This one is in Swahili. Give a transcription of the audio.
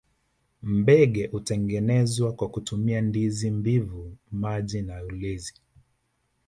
Mbege hutengenezwa kwa kutumia ndizi mbivu maji na ulezi